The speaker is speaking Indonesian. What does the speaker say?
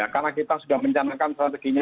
karena kita sudah mencanakan strateginya